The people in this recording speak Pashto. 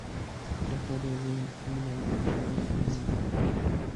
ډاکتر يې زه يم بلال عرفان نرسه مينه.